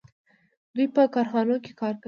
دوی په کارخانو کې کار کوي.